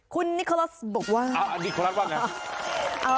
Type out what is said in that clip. คุณนิโคลอสบอกว่าอ้าวนิโคลอสบอกว่าไง